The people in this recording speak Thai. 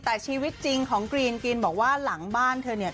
แต่ชีวิตจริงของกรีนกรีนบอกว่าหลังบ้านเธอเนี่ย